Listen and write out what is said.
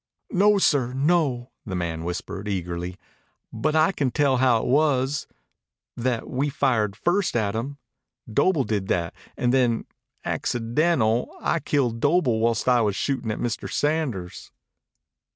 "No, sir, no," the man whispered eagerly. "But I can tell how it was that we fired first at him. Doble did that, an' then accidental I killed Doble whilst I was shootin' at Mr. Sanders."